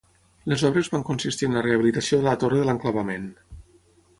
Les obres van consistir en la rehabilitació de la Torre de l'enclavament.